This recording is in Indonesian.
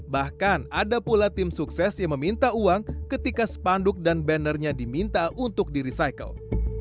bahkan ada pula tim sukses yang meminta uang ketika spanduk dan bannernya diminta untuk di recycle